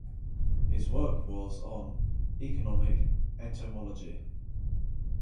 His work was on economic entomology.